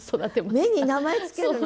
芽に名前付けるの！？